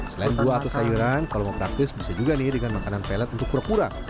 selain buah atau sayuran kalau mau praktis bisa juga nih dengan makanan pelet untuk kura kura